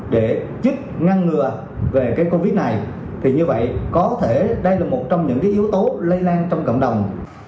để giúp ngăn ngừa về cái covid này thì như vậy có thể đây là một trong những yếu tố lây lan trong cộng đồng